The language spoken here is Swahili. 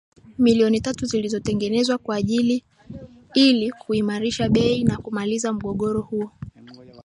milioni tatu zilizotengwa kwa ajili ili kuimarisha bei na kumaliza mgogoro huo